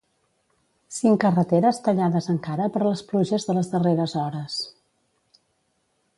Cinc carreteres tallades encara per les pluges de les darreres hores.